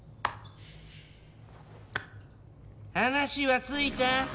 話はついた？